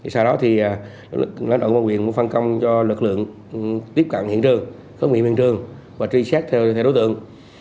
sau đó thì lãnh đạo quân quyền phân công cho lực lượng tiếp cận hiện trường khớp nghiệm hiện trường và truy xét theo đối tượng